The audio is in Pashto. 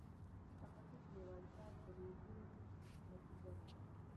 تخصص لېوالتیا دریځونو نتیجه ده.